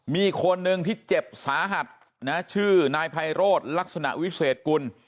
มีคนหนึ่งที่เจ็บสาหัสนะชื่อนายไพโรธลักษณะวิเศษกุล